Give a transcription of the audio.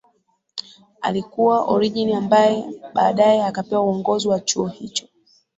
alikuwa Origene ambaye baadaye akapewa uongozi wa chuo hicho